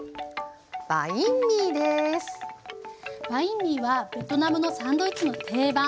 バインミーはベトナムのサンドイッチの定番。